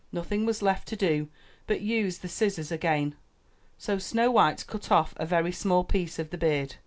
Nothing was left to do, but use the scissors again. So Snow white cut off a very small piece of the beard.